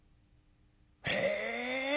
「へえ。